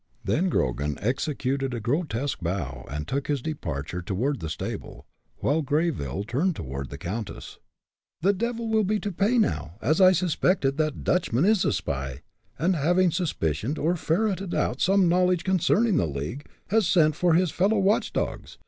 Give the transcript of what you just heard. Then Grogan executed a grotesque bow and took his departure toward the stable, while Greyville turned toward the countess. "The devil will be to pay now. As I suspected, that Dutchman is a spy, and having suspicioned or ferreted out some knowledge concerning the league, has sent for his fellow watch dogs.